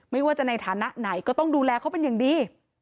ไม่ว่าจะในฐานะไหนก็ต้องดูแลเขาเป็นอย่างดี